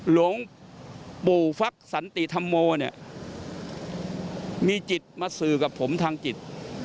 หลวงปู่ฟักสันติธรรมโมเนี่ยมีจิตมาสื่อกับผมทางจิต